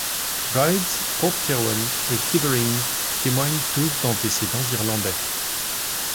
Bride's, Port Kirwan et Kibereen témoignent tous d'antécédents irlandais.